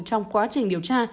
trong quá trình điều tra